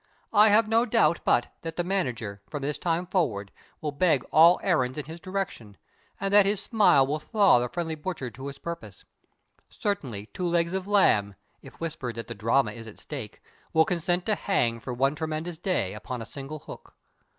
I have no doubt but that the manager, from this time forward, will beg all errands in his direction and that his smile will thaw the friendly butcher to his purpose. Certainly two legs of lamb, if whispered that the drama is at stake, will consent to hang for one tremendous day upon a single hook.